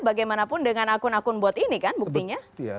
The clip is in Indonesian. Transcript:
bagaimanapun dengan akun akun bot ini kan buktinya